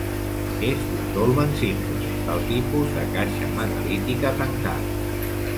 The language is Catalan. És un dolmen simple, del tipus de caixa megalítica tancada.